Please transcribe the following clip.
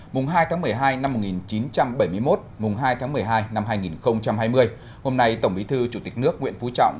mùng hai tháng một mươi hai năm một nghìn chín trăm bảy mươi một mùng hai tháng một mươi hai năm hai nghìn hai mươi hôm nay tổng bí thư chủ tịch nước nguyễn phú trọng